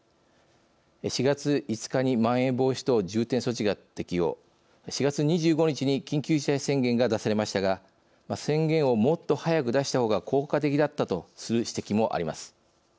４月５日にまん延防止等重点措置が適用４月２５日に緊急事態宣言が出されましたが「宣言をもっと早く出したほうが効果的だった」とする指摘もあります。